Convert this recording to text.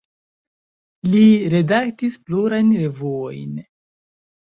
Li redaktis plurajn revuojn.